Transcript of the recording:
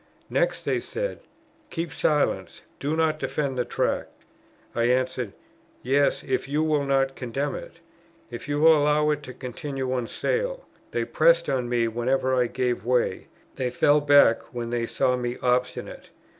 Next they said, "Keep silence; do not defend the Tract;" I answered, "Yes, if you will not condemn it, if you will allow it to continue on sale." They pressed on me whenever I gave way; they fell back when they saw me obstinate.